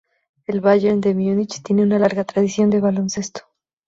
El Bayern de Múnich tiene una larga tradición de baloncesto.